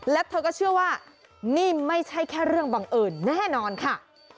และเธอก็เชื่อว่านี่ไม่ใช่แค่เรื่องบังเอิญแน่นอนค่ะ